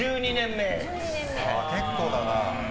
結構だな。